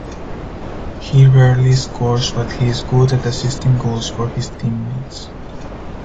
He rarely scores but he is good at assisting goals for his teammates.